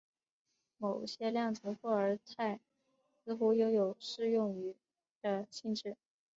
某些量子霍尔态似乎拥有适用于的性质。